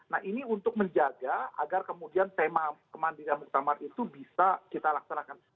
nah ini untuk menjaga agar kemudian tema kemandirian muktamar itu bisa kita laksanakan